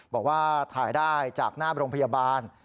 บอกว่าถ่ายได้จากหน้าโรงพยาบาล